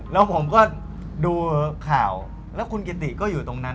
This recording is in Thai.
แล้วผมก็ดูข่าวแล้วคุณกิติก็อยู่ตรงนั้น